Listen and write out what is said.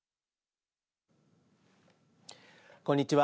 こんにちは。